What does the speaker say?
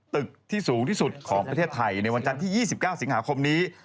ตึกที่สูงที่สุดของประเทศไทยในวันจันทร์ที่๒๙สิงหาคมนี้